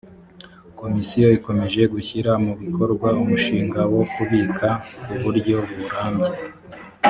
komisiyo ikomeje gushyira mu bikorwa umushinga wo kubika ku buryo burambye.